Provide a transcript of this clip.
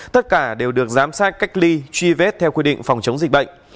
tất cả đều được giám sát cách ly truy vết theo quy định phòng chống dịch bệnh